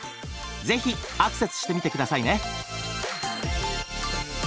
ぜひアクセスしてみて下さいね。